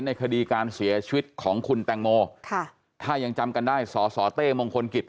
ในคดีการเสียชีวิตของคุณแตงโมค่ะถ้ายังจำกันได้สอสอเต้มงคลกิจ